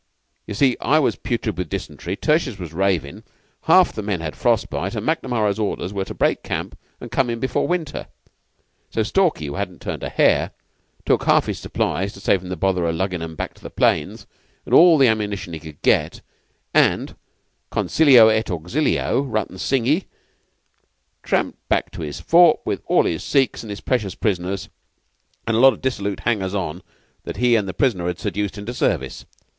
You see I was putrid with dysentery, Tertius was ravin', half the men had frost bite, and Macnamara's orders were to break camp and come in before winter. So Stalky, who hadn't turned a hair, took half his supplies to save him the bother o' luggin' 'em back to the plains, and all the ammunition he could get at, and, consilio et auxilio Rutton Singhi, tramped back to his fort with all his Sikhs and his precious prisoners, and a lot of dissolute hangers on that he and the prisoner had seduced into service.